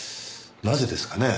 なぜですかね？